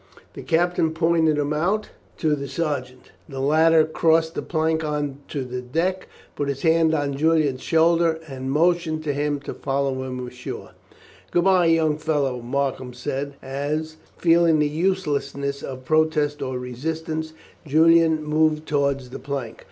The captain pointed him out to the sergeant. The latter crossed the plank on to the deck, put his hand on Julian's shoulder, and motioned to him to follow him ashore. "Good bye, young fellow!" Markham said, as, feeling the uselessness of protest or resistance, Julian moved towards the plank.